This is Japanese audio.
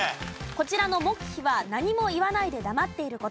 こちらの黙秘は何も言わないで黙っている事。